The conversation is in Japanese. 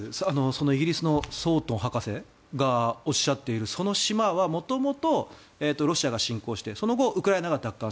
そのイギリスのソーントン博士がおっしゃっているその島は元々ロシアが侵攻してその後、ウクライナが。